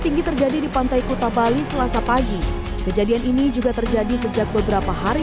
tinggi terjadi di pantai kuta bali selasa pagi kejadian ini juga terjadi sejak beberapa hari